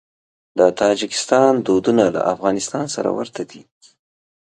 د تاجکستان دودونه له افغانستان سره ورته دي.